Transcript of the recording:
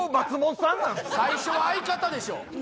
最初は相方でしょ！